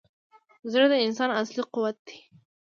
زړه د انسان اصلي قوت دی.